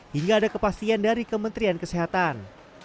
hingga ada kepastian dari kementerian kesehatan